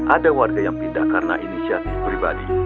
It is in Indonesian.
ada warga yngpindah karena inisiatif pribadi